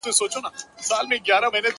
بېګا خوب وینمه تاج پر سر پاچا یم,